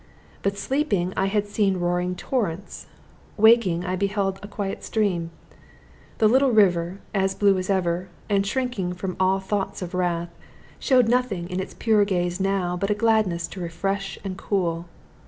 But sleeping I had seen roaring torrents; waking, I beheld a quiet stream. The little river, as blue as ever, and shrinking from all thoughts of wrath, showed nothing in its pure gaze now but a gladness to refresh and cool.